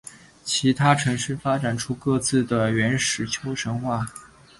其他城市发展出各自的原始丘神话。